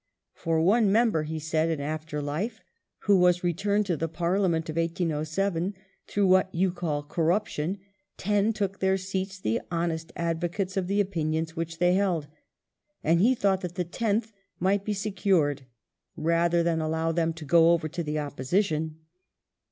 "For one Member," he said in after life, " who was returned to the Parliament of 1807 through what you call corruption, ten took their seats the honest advocates of the opinions which they held j " and he thought that the tenth might be secured " rather than allow them to go over to the opposition."